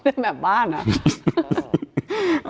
เล่นแบบบ้านอะ